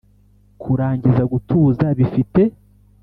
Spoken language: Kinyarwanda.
kurangiza gutuza bifite;